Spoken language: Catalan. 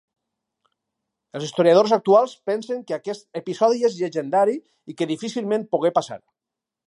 Els historiadors actuals pensen que aquest episodi és llegendari i que difícilment pogué passar.